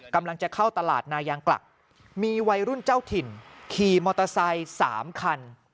กำลังจะเข้าตลาดนายางกลักมีวัยรุ่นเจ้าถิ่นขี่มอเตอร์ไซค์๓คัน